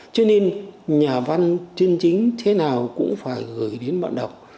cho nên nhà văn tuyên chính thế nào cũng phải gửi đến bạn đọc